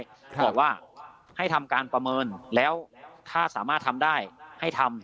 บอกว่าให้ทำการประเมินแล้วถ้าสามารถทำได้ให้ทำ